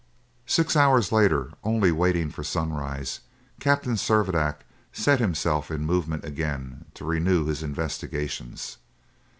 Six hours later, only waiting for sunrise, Captain Servadac set himself in movement again to renew his investigations.